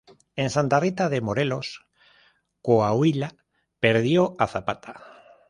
En Santa Rita de Morelos, Coahuila, perdió a Zapata.